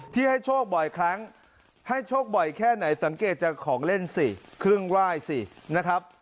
ที่ให้โชคบ่อยครั้งให้โชคบ่อยแค่ไหนสังเกตจากของเล่นสิเครื่องไหว้สินะครับ